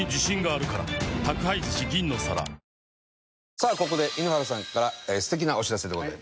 さあここで井ノ原さんから素敵なお知らせでございます。